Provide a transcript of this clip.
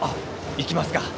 行きますか。